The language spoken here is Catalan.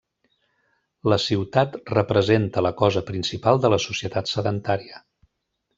La ciutat representa la cosa principal de la societat sedentària.